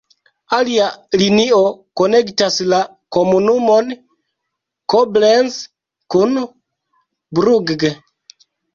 Alia linio konektas la komunumon Koblenz kun Brugg.